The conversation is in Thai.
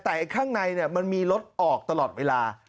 แต่ข้างในมันมีรถออกตลอดเวลา